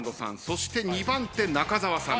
そして２番手中澤さんです。